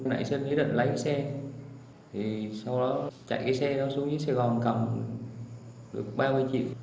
nãy xin lý định lấy cái xe thì sau đó chạy cái xe đó xuống với sài gòn cầm được ba mươi triệu